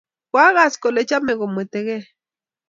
koakas kole chomei komwetegei